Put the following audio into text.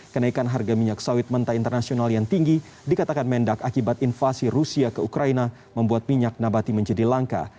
kenaikan harga minyak sawit mentah internasional yang tinggi dikatakan mendak akibat invasi rusia ke ukraina membuat minyak nabati menjadi langka